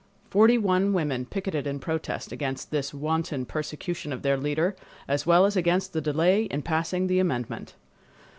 Forty one women picketed in protest against this wanton persecution of their leader, as well as against the delay in passing the amendment.